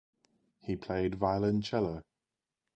He played violoncello.